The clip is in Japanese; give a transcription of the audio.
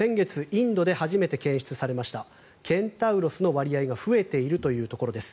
インドで初めて検出されましたケンタウロスの割合が増えているということです。